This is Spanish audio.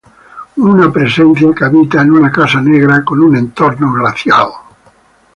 Una presencia que habita en una casa negra con un entorno glacial.